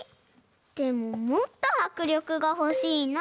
でももっとはくりょくがほしいな。